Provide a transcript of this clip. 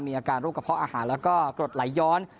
มีอาการรุปกระเพาะอาหารแล้วก็ปิดหลายย้อน